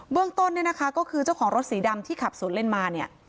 เรื่องต้นเนี่ยนะคะก็คือเจ้าของรถสีดำที่ขับสวนเล่นมาเนี่ย